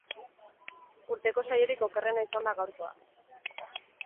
Urteko saiorik okerrena izan da gaurkoa.